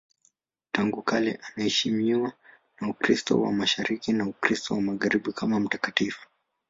Tangu kale anaheshimiwa na Ukristo wa Mashariki na Ukristo wa Magharibi kama mtakatifu.